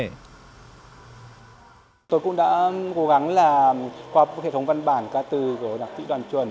tôi cũng đã cố gắng qua hệ thống văn bản ca từ của đặc trị đoàn chuẩn